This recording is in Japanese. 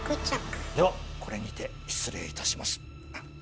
ではこれにて失礼いたします。